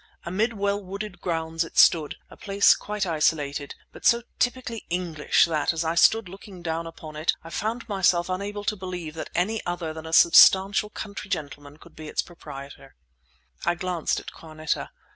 Amid well wooded grounds it stood, a place quite isolated, but so typically English that, as I stood looking down upon it, I found myself unable to believe that any other than a substantial country gentleman could be its proprietor. I glanced at Carneta.